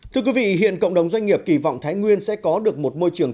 thưa quý vị hiện cộng đồng doanh nghiệp kỳ vọng thái nguyên sẽ có được một môi trường